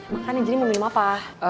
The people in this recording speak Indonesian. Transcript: makan ya jadi mau minum apa